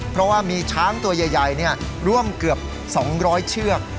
เพราะว่ามีช้างตัวใหญ่ร่วมเกือบ๒๐๐เชือก